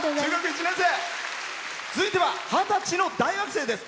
続いては二十歳の大学生です。